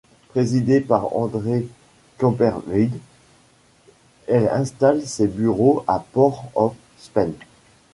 Présidée par Andre Kamperveen, elle installe ses bureaux à Port of Spain.